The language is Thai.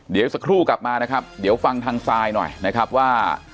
เดี๋ยวสักครู่กลับมานะครับเดี๋ยวฟังทางซายหน่อยนะครับว่า